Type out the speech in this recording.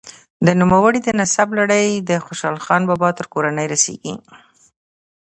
د نوموړي د نسب لړۍ د خوشحال خان بابا تر کورنۍ رسیږي.